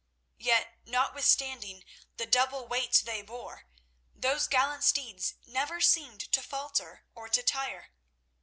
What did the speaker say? Yet, notwithstanding the double weights they bore, those gallant steeds never seemed to falter or to tire.